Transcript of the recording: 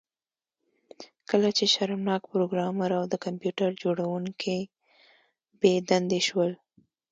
کله چې شرمناک پروګرامر او د کمپیوټر جوړونکی بې دندې شول